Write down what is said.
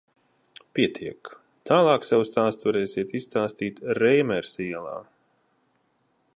Pietiek, tālāk savu stāstu varēsiet izstāstīt Reimersa ielā.